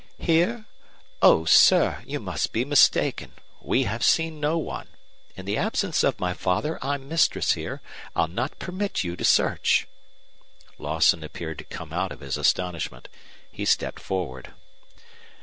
"Here? Oh, sir, you must be mistaken. We have seen no one. In the absence of my father I'm mistress here. I'll not permit you to search." Lawson appeared to come out of his astonishment. He stepped forward.